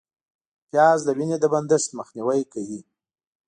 پیاز د وینې د بندښت مخنیوی کوي